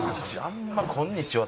あんま「こんにちは」